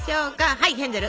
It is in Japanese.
はいヘンゼル！